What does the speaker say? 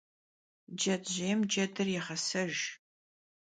Cecêym cedır yêğesejj.